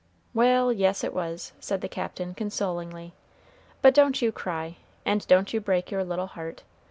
"Wal', yes, it was," said the Captain, consolingly; "but don't you cry, and don't you break your little heart.